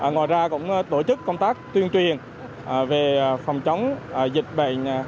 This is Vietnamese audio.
ngoài ra cũng tổ chức công tác tuyên truyền về phòng chống dịch bệnh